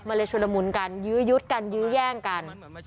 มันเลยชุลมุนกันยื้อยุดกันยื้อแย่งกัน